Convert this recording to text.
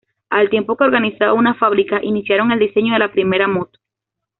Al tiempo que organizaban una fábrica iniciaron el diseño de la primera moto.